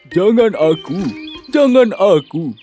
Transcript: jangan aku jangan aku